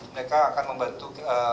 mereka akan membantu